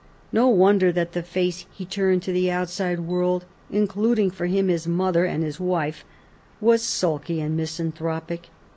No wonder that the face he turned to the outside world — including, for him, his mother and his wife — was sulky and misanthropic.